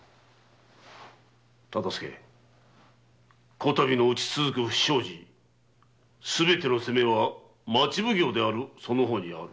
今回のうち続く不祥事すべての責めは町奉行であるその方にある。